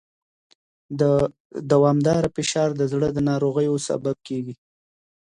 دوامداره فشار د زړه ناروغیو سبب کېږي.